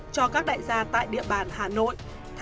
cho các đại gia tại địa bàn hà nội